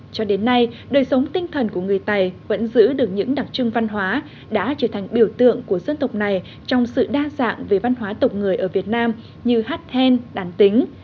cho đến nay đời sống tinh thần của người tày vẫn giữ được những đặc trưng văn hóa đã trở thành biểu tượng của dân tộc này trong sự đa dạng về văn hóa tộc người ở việt nam như hát then đàn tính